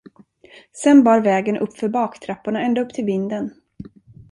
Sen bar vägen uppför baktrapporna ända upp till vinden.